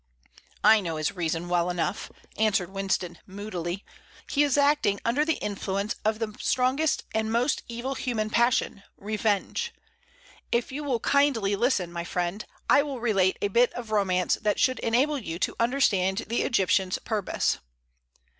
"I know his reason well enough," answered Winston, moodily. "He is acting under the influence of the strongest and most evil human passion revenge. If you will kindly listen, my friend, I will relate a bit of romance that should enable you to understand the Egyptian's purpose."